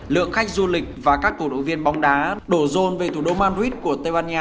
lượng khách du lịch và các cổ động viên bóng đá đổ rôn về thủ đô madrid của tây ban nha